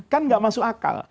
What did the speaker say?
kan gak masuk akal